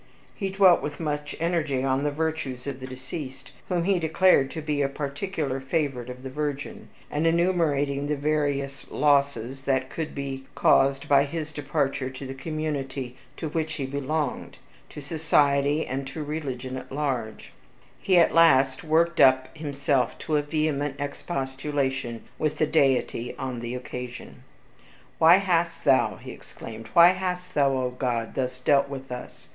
He dwelt with much energy on the virtues of the deceased, whom he declared to be a particular favorite of the Virgin; and enumerating the various losses that would be caused by his departure to the community to which he belonged, to society, and to religion at large; he at last worked up himself to a vehement expostulation with the Deity on the occasion. "Why hast thou," he exclaimed, "why hast thou, Oh God! thus dealt with us?